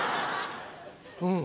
うん。